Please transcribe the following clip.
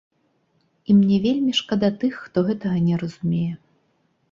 І мне вельмі шкада тых, хто гэтага не разумее!